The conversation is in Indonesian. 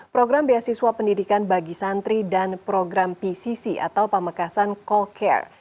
program beasiswa pendidikan bagi santri dan program pcc atau pamekasan call care